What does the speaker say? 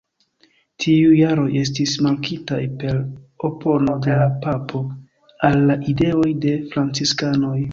Tiuj jaroj estis markitaj per opono de la papo al la ideoj de franciskanoj.